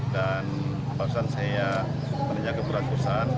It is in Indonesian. dan barusan saya menjaga perusahaan